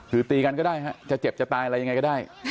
คือตีกันก็ได้จะเจ็บจะตายอะไรยังไงก็ได้